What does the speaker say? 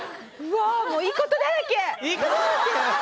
いいことだらけ！